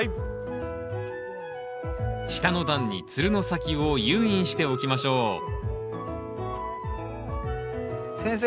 下の段につるの先を誘引しておきましょう先生